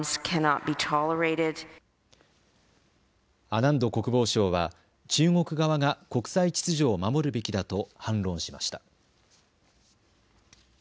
アナンド国防相は中国側が国際秩序を守るべきだと反論しました。